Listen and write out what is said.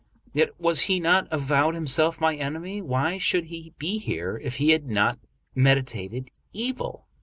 Yet has he not avowed himself my enemy ? Why should he be here if he had not meditated evil?